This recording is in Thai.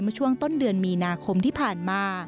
เมื่อช่วงต้นเดือนมีนาคมที่ผ่านมา